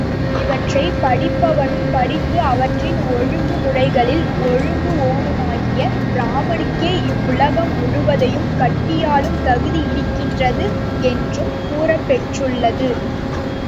இவற்றைப் படிப்பவனும், படித்து அவற்றின் ஒழுங்கு முறைகளில் ஒழுகுவோனுமாகிய பிராமணனுக்கே இவ்வுலகம் முழுவதையும் கட்டியாளும் தகுதியிருக்கின்றது என்றும் கூறப்பெற்றுள்ளது.